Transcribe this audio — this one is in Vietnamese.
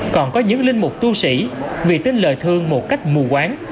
còn có những linh mục tu sĩ vì tin lời thương một cách mù quán